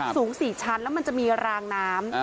สูง๔ชั้นแล้วมันจะมีรางน้ำ